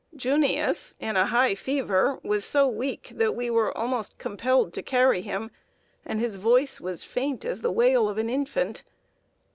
"Junius," in a high fever, was so weak that we were almost compelled to carry him, and his voice was faint as the wail of an infant.